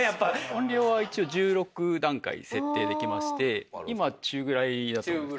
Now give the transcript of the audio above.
音量は一応１６段階設定できまして今中ぐらいだと思います。